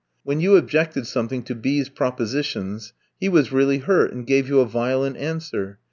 When you objected something to B ski's propositions, he was really hurt, and gave you a violent answer.